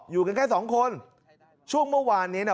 อยู่กันแค่สองคนช่วงเมื่อวานนี้น่ะ